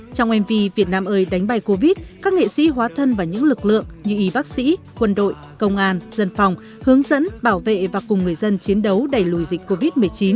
trong mv việt nam ơi đánh bày covid các nghệ sĩ hóa thân và những lực lượng như y bác sĩ quân đội công an dân phòng hướng dẫn bảo vệ và cùng người dân chiến đấu đẩy lùi dịch covid một mươi chín